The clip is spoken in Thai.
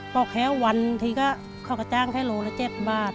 บอกว่าวันที่เขาก็จ้างแค่๑ลูกละ๗บาท